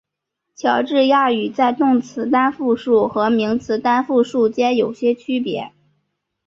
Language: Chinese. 乔治亚语在动词单复数和名词单复数间有些区别。